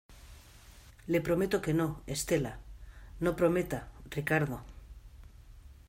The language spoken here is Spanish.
le prometo que no, Estela. no prometa , Ricardo .